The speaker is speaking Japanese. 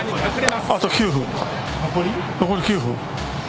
残り９分。